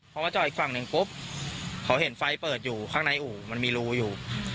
พอเจ้าไอ้ฝั่งในกุ๊บเขาเห็นไฟเปิดอยู่ข้างในอู่มันมีรูอยู่